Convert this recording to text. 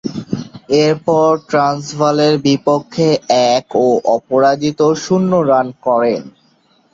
এরপর ট্রান্সভালের বিপক্ষে এক ও অপরাজিত শূন্য রান করেন।